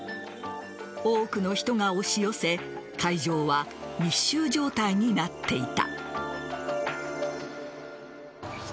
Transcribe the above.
多くの人が押し寄せ会場は密集状態になっていた。